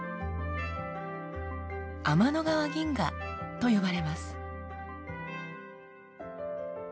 「天の川銀河」と呼ばれます。